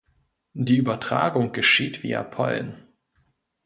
Die Übertragung geschieht via Pollen.